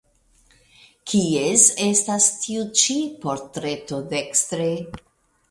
Kies estas tiu ĉi portreto dekstre?